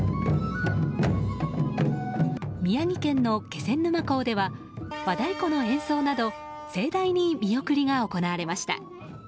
宮城県の気仙沼港では和太鼓の演奏など盛大に見送りが行われました。